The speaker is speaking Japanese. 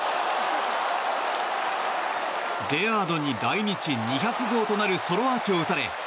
レアードに来日２００号となるソロアーチを打たれ